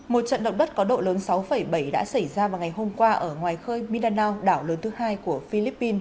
một trận động đất có độ lớn sáu bảy đã xảy ra vào ngày hôm qua ở ngoài khơi bidanao đảo lớn thứ hai của philippines